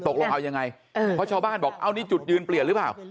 ตกลงเอายังไงเพราะชาวบ้านบอกเอานี่จุดยืนเปลี่ยนหรือเปล่า